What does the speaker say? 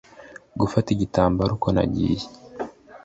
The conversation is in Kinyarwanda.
gufata igitambaro uko nagiye